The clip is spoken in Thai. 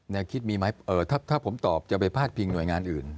คิดมีไหมถ้าผมตอบจะไปพาดพิงหน่วยงานอื่น